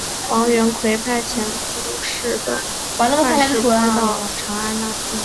王元逵派遣段氏姑到长安纳聘礼。